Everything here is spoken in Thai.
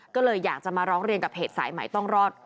ก็เลยอยากจะมาร้องเรียนกับเพจสายใหม่ต้องรอด